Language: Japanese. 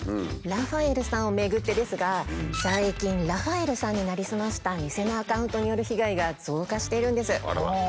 ラファエルさんをめぐってですが最近ラファエルさんになりすました偽のアカウントによる被害が増加しているんです。